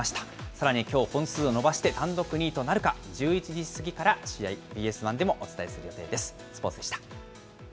さらにきょう、本数を伸ばして単独２位となるか、１１時過ぎから試合、ＢＳ１でもお伝えする予定です。